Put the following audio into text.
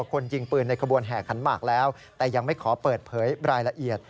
คนยิงปืนในขบวนแห่ขันหมากแล้วแต่ยังไม่ขอเปิดเผยรายละเอียด